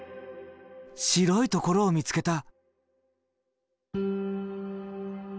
白いところを見つけた。